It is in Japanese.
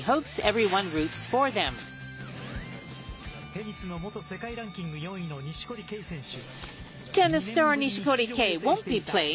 テニスの元世界ランキング４位の錦織圭選手。